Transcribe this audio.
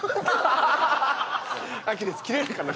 アキレス切れるからね。